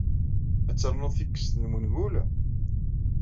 Ad ternuḍ tikkest n wengul?